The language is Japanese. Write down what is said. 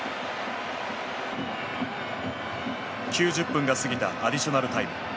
９０分が過ぎたアディショナルタイム。